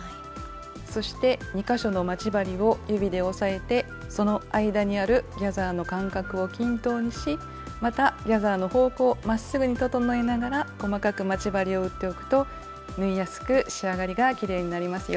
そして２か所の待ち針を指で押さえてその間にあるギャザーの間隔を均等にしまたギャザーの方向をまっすぐに整えながら細かく待ち針を打っておくと縫いやすく仕上がりがきれいになりますよ。